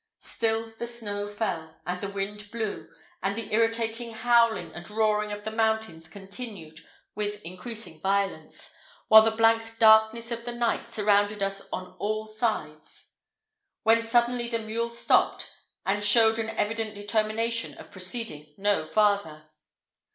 Still the snow fell, and the wind blew, and the irritating howling and roaring of the mountains continued with increasing violence, while the blank darkness of the night surrounded us on all sides; when suddenly the mule stopped, and showed an evident determination of proceeding no farther.